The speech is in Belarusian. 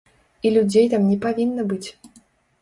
І людзей там не павінна быць.